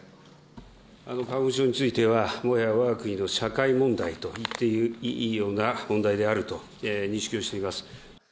花粉症については、もはやわが国の社会問題といっていいような問題であると認識をしています。